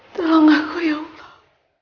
tolong aku ya allah